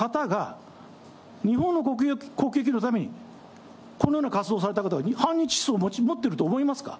この方が日本の国益のためにこのような活動をされた方が、半日思想持ってると思いますか。